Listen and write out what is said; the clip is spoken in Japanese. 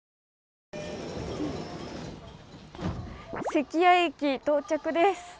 関屋駅到着です。